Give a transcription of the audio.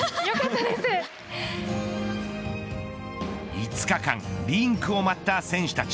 ５日間リンクを舞った選手たち